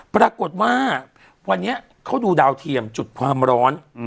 ปรากฏว่าวันนี้เขาดูดาวเทียมจุดความร้อน